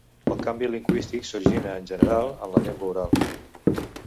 El canvi lingüístic s'origina, en general, en la llengua oral.